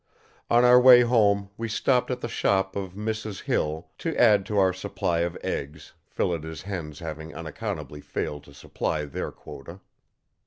On our way home, we stopped at the shop of Mrs. Hill to add to our supply of eggs, Phillida's hens having unaccountably failed to supply their quota.